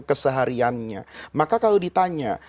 kesehariannya maka kalau ditanya